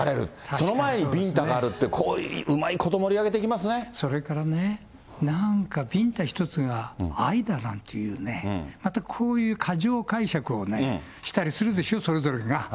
その前にビンタがあるって、こういう、うまいこと盛り上げていきそれからね、なんかビンタ１つが愛だなんていうね、またこういう過剰解釈をね、したりするでしょ、それぞれが。